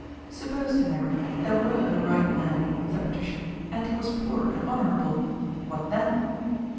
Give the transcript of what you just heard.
" Suppose, Tanagra, there were a right man," >aid Patricia, " and he was poor and honourable, tfhat then